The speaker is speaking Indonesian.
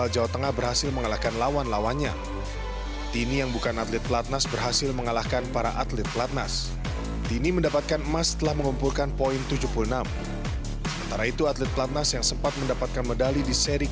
jangan lupa like share dan subscribe channel ini